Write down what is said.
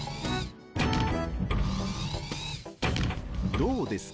どうですか？